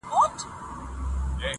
ژوندی انسان و حرکت ته حرکت کوي,